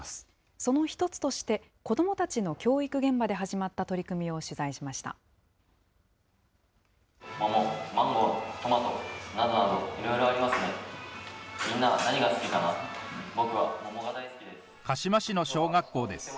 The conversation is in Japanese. その一つとして、子どもたちの教育現場で始まった取り組みを鹿嶋市の小学校です。